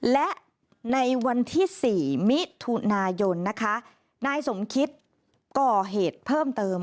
และในวันที่๔มิถุนายนนะคะนายสมคิดก่อเหตุเพิ่มเติม